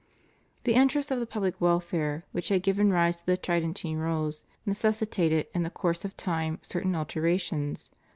The interests of the pubhc welfare, which had given rise to the Tri den tine Rules, necessitated in the course of time certain alterations.